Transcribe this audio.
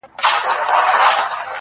اوس د شپې سوي خوبونه زما بدن خوري.